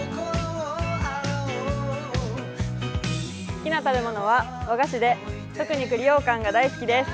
好きな食べ物は和菓子で特にくりようかんが大好きです。